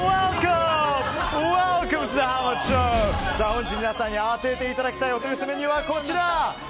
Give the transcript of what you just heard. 本日、皆さんに当てていただきたいお取り寄せメニューはこちら。